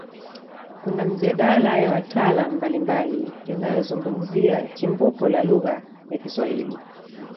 Kuna mijadala ya wataalamu mbalimbali inayozungumzia chimbuko la lugha ya Kiswahili